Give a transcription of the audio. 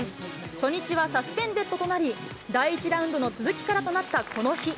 初日はサスペンデッドとなり、第１ラウンドの続きからとなったこの日。